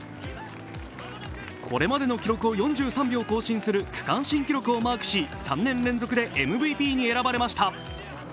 これまでの記録を４３秒更新する区間新記録をマークし３年連続でＭＶＰに選ばれました。